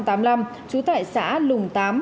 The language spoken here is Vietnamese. trú tại xã lùng tám